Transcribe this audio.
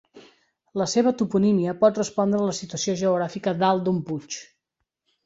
La seva toponímia pot respondre a la situació geogràfica dalt d'un puig.